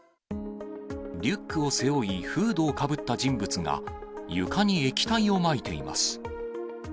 リュックを背負い、フードをかぶった人物が床に液体をまいています。